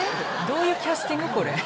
どういうキャスティングこれ？